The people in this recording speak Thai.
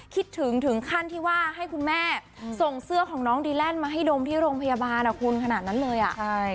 คิดถึงถึงขั้นที่ว่าให้คุณแม่ส่งเสื้อของน้องดีแลนด์มาให้ดมที่โรงพยาบาลคุณขนาดนั้นเลยอ่ะใช่